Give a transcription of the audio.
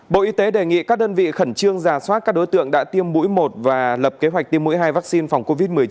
bộ y tế đề nghị các đơn vị khẩn trương giả soát các đối tượng đã tiêm mũi một và lập kế hoạch tiêm mũi hai vaccine phòng covid một mươi chín